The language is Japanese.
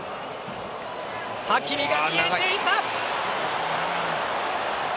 ハキミが見えていた！